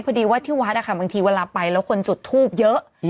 พอดีว่าที่วัดบางทีเวลาไปแล้วคนจุดทูบเยอะ